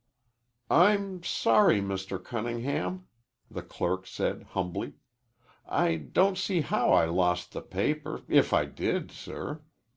"I'm sorry, Mr. Cunningham," the clerk said humbly. "I don't see how I lost the paper, if I did, sir.